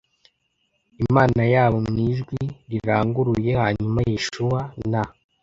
Imana yabo mu ijwi riranguruye Hanyuma Yeshuwa na